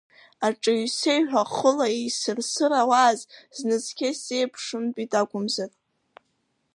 Аҿеҩ-сеиҩҳәа хыла еисырсырауааз зны, цқьа исзеиԥшымтәит акәымзар…